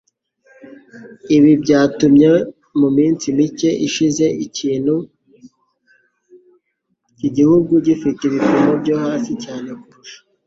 Ibi byatumye mu minsi micye ishize iki gihugu gifite ibipimo byo hasi cyane kurusha